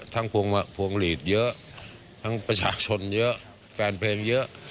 พวงหลีดเยอะทั้งประชาชนเยอะแฟนเพลงเยอะ